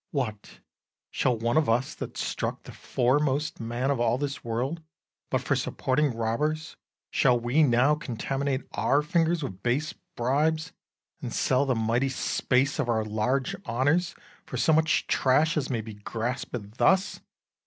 What, shall one of us, That struck the foremost man of all this world But for supporting robbers, shall we now Contaminate our fingers with base bribes, And sell the mighty space of our large honours For so much trash as may be grasped thus?